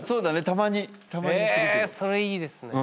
それいいですね。